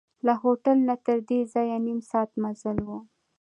له هوټل نه تردې ځایه نیم ساعت مزل و.